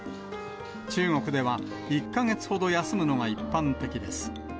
中国では１か月ほど休むのが一般的です。